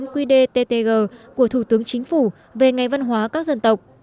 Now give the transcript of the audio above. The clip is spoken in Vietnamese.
quy đề ttg của thủ tướng chính phủ về ngày văn hóa các dân tộc